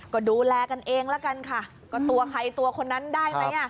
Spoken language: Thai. ก็ดูแลกันเองละกันค่ะก็ตัวใครตัวคนนั้นได้ไหมอ่ะ